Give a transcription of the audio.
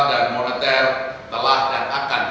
moneter telah dan akan